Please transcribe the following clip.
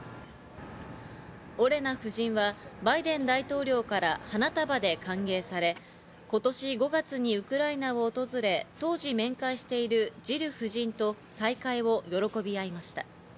オレナ夫人はバイデン大統領から花束で歓迎され、今年５月にウクライナを訪れ、当時面会しているジル夫人と再会を喜び合いました。